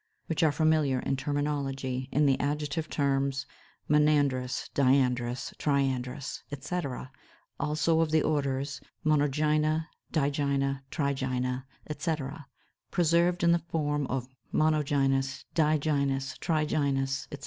which are familiar in terminology in the adjective terms monandrous, diandrous, triandrous, etc. (284); also of the orders, Monogynia, Digynia, Trigynia, etc., preserved in the form of monogynous, digynous, trigynous, etc.